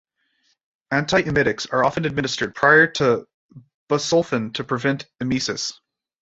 Antiemetics are often administered prior to busulfan to prevent emesis.